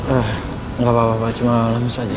ah nggak apa apa cuma lemes aja